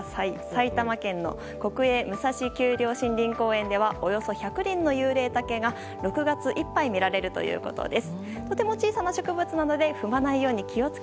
埼玉県の国営武蔵丘陵森林公園ではおよそ１００輪のユウレイタケが６月いっぱい見られるということです。